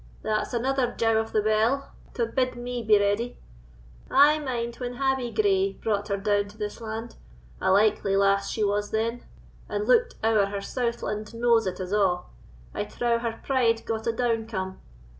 that's another jow of the bell to bid me be ready. I mind when Habbie Gray brought her down to this land; a likely lass she was then, and looked ower her southland nose at us a'. I trow her pride got a downcome.